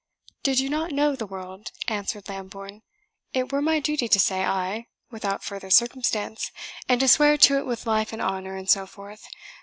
"Did you not know the world," answered Lambourne, "it were my duty to say ay, without further circumstance, and to swear to it with life and honour, and so forth.